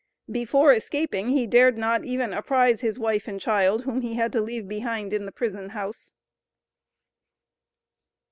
"Before escaping," he "dared not" even apprise his wife and child, whom he had to leave behind in the prison house.